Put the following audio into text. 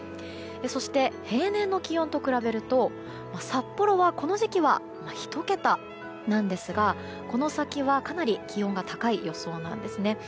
そして、平年の気温と比べると札幌はこの時期は１桁なんですがこの先は、かなり気温が高い予想なんですね。